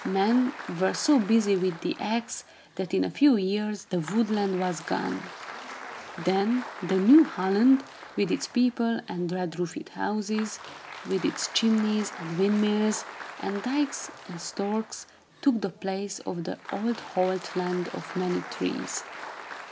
Men were so busy with the axe, that in a few years, the Wood Land was gone. Then the new "Holland," with its people and red roofed houses, with its chimneys and windmills, and dykes and storks, took the place of the old Holt Land of many trees.